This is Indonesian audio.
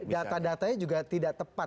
data datanya juga tidak tepat